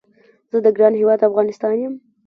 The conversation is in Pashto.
زه د ګران هیواد افغانستان یم